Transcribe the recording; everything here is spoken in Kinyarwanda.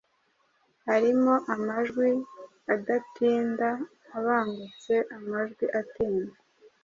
Hari mo amajwi adatinda abangutse, amajwi atinda,